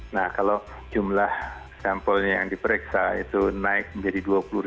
nah kalau jumlah sampelnya yang diperiksa itu naik menjadi dua puluh delapan